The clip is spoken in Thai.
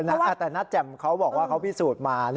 แต่น้าแจ่มเขาบอกว่าเขาพิสูจน์มา